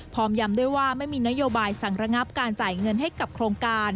ยำด้วยว่าไม่มีนโยบายสั่งระงับการจ่ายเงินให้กับโครงการ